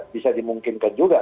bisa dimungkinkan juga